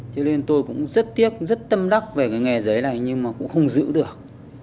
cho nên tôi cũng rất tiếc rất tâm đắc về cái nghề giấy này nhưng mà cũng không giữ được